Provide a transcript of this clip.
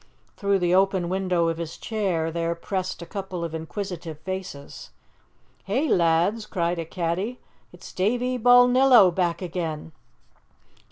Through the open window of his chair there pressed a couple of inquisitive faces. "Hey, lads!" cried a caddie, "it's Davie Balnillo back again!"